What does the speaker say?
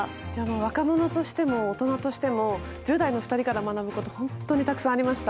若者としても大人としても１０代の２人から学ぶことがたくさんありました。